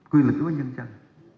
quyền lực của nhân dân